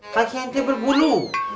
kaki ente berbulu